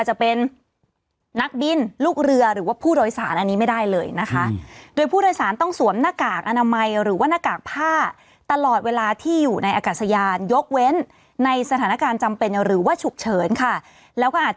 หูก็ไม่ได้หนวกแต่ว่าหูก็เป็นหูกระหล่ำ